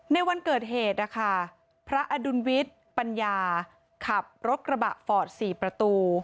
ในวันเกิดเหตุนะคะพระอดุลวิทย์ปัญญาขับรถกระบะฟอร์ด๔ประตู